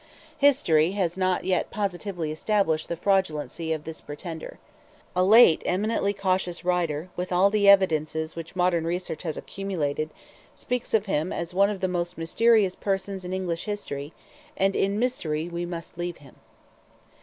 History has not yet positively established the fraudulency of this pretender. A late eminently cautious writer, with all the evidence which modern research has accumulated, speaks of him as "one of the most mysterious persons in English history;" and in mystery we must leave him.